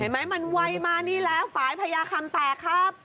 ไหมมันไวมานี่แล้วฝ่ายพญาคำแตกครับ